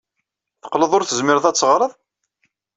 Teqqleḍ ur tezmireḍ ad teɣreḍ?